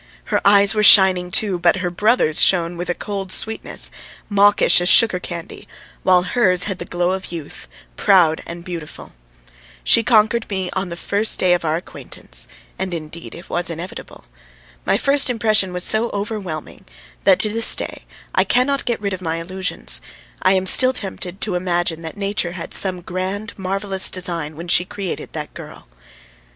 Her eyes were shining, too, but her brother's shone with a cold sweetness, mawkish as sugar candy, while hers had the glow of youth, proud and beautiful. She conquered me on the first day of our acquaintance, and indeed it was inevitable. My first impression was so overwhelming that to this day I cannot get rid of my illusions; I am still tempted to imagine that nature had some grand, marvellous design when she created that girl.